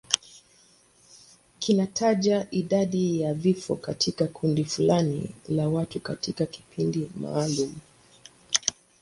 Kinataja idadi ya vifo katika kundi fulani la watu katika kipindi maalum.